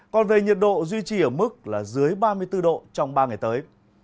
còn về nhiệt độ duy trì ở mức là dưới ba mươi bốn độ trong ba ngày tới